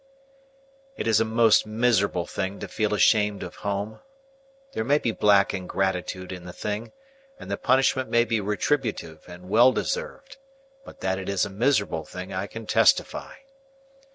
It is a most miserable thing to feel ashamed of home. There may be black ingratitude in the thing, and the punishment may be retributive and well deserved; but that it is a miserable thing, I can testify.